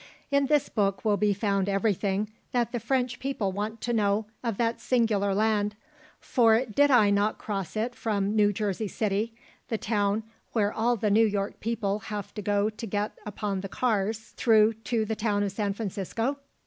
"In this book will be found everything that the French people want to know of that singular land, for did I not cross it from New Jersey City, the town where all the New York people have to go to get upon the cars, through to the town of San Francisco?